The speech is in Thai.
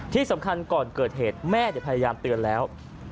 ที่สำคัญก่อนเกิดเหตุแม่พยายามเตือนแล้ว